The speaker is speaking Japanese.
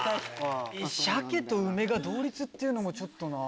鮭と梅が同率っていうのもちょっとな。